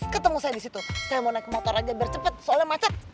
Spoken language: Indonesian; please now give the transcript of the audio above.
ketemu saya di situ saya mau naik ke motor aja biar cepat soalnya macet